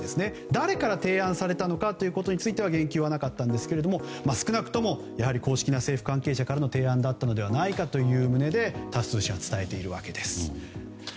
誰から提案されたのかということについては言及はなかったんですが少なくとも公式な政府関係者からの提案だったのではないかという旨でタス通信は伝えているわけです。